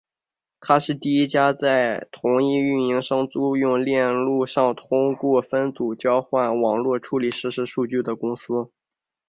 她是第一家在同一运营商租用链路上通过分组交换网络处理实时数据的公司。